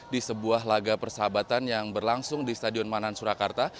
di sebuah laga persahabatan yang berlangsung di stadion manan surakarta